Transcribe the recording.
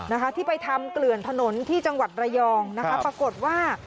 นะคะที่ไปทำเกลื่อนถนนที่จังหวัดระยองนะคะปรากฏว่า